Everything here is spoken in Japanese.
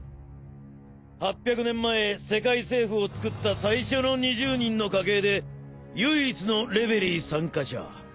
８００年前世界政府をつくった最初の２０人の家系で唯一の世界会議参加者。